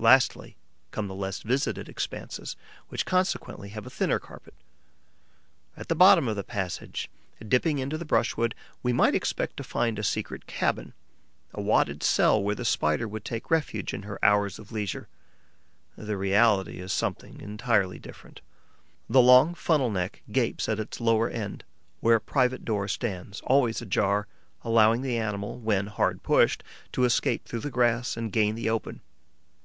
Lastly come the less visited expanses, which consequently have a thinner carpet. At the bottom of the passage dipping into the brushwood, we might expect to find a secret cabin, a wadded cell where the Spider would take refuge in her hours of leisure. The reality is something entirely different. The long funnel neck gapes at its lower end, where a private door stands always ajar, allowing the animal, when hard pushed, to escape through the grass and gain the open.